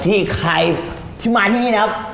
ใครที่มาที่นี่นะครับ